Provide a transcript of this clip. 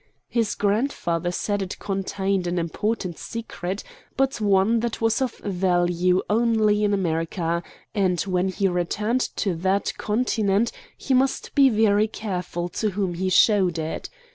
His grandfather said it contained an important secret, but one that was of value only in America, and that when he returned to that continent he must be very careful to whom he showed it.